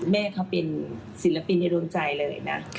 แม่เขาเป็นศิลปินในดวงใจเลยนะ